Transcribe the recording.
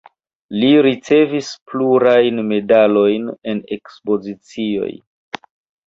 Li ricevis plurajn medalojn en ekspozicioj.